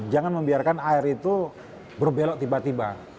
jangan membiarkan air itu berbelok tiba tiba